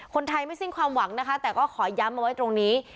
คนไทยไม่สิ้นความหวังนะคะแต่ก็ขอย้ำเอาไว้ตรงนี้